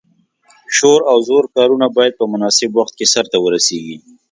شور او زور کارونه باید په مناسب وخت کې سرته ورسیږي.